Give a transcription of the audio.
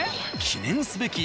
記念すべき。